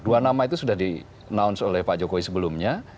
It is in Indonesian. dua nama itu sudah di announce oleh pak jokowi sebelumnya